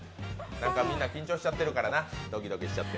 みんな緊張しちゃってるからなドキドキしちゃって。